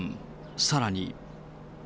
さらに。